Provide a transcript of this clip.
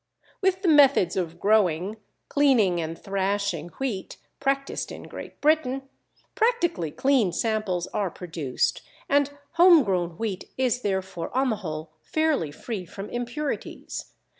With the methods of growing, cleaning and thrashing wheat practised in Great Britain, practically clean samples are produced, and home grown wheat is therefore on the whole fairly free from impurities.